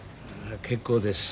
結構です。